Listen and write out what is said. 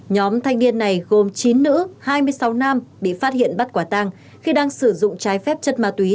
nhóm thanh niên này gồm chín nữ hai mươi sáu nam bị phát hiện bắt quả tang khi đang sử dụng trái phép chất ma túy